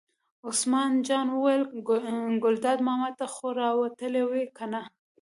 عثمان جان وویل: ګلداد ماما ته خو را وتلې وې کنه.